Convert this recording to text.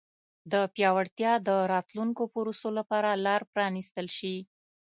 د پیاوړتیا د راتلونکو پروسو لپاره لار پرانیستل شي.